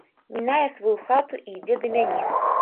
Мінае сваю хату, і ідзе да мяне.